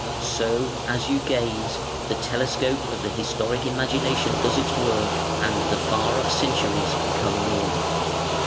So, as you gaze, the telescope of the historic imagination does its work, and the far off centuries become near.